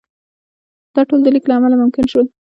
دا ټول د لیک له امله ممکن شول.